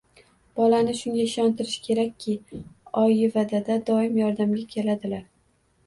Bolani shunga ishontirish kerakki, oyi va dada doimo yordamga keladilar